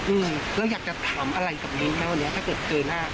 อืมแล้วอยากจะถามอะไรตรงนี้ไหมวันนี้ถ้าเกิดเจอหน้า